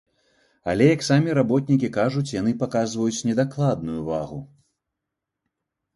Але, як самі работнікі кажуць, яны паказваюць недакладную вагу.